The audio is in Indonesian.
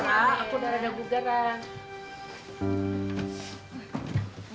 nah aku udah rada bugaran